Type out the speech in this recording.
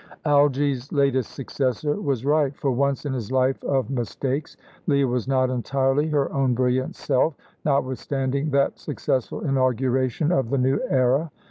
Algy's latest successor was right, for once in his life of mistakes. Leah was not entirely her own brilliant self, notwithstanding that successful inauguration of the new era.